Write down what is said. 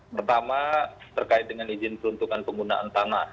pertama terkait dengan izin peruntukan penggunaan tanah